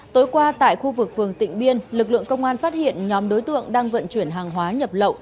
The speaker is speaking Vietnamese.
tối qua tại khu vực vườn tỉnh biên lực lượng công an phát hiện nhóm đối tượng đang vận chuyển hàng hóa nhập lậu